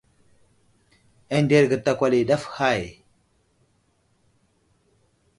Anderge ɗakwala i ɗaf i hay.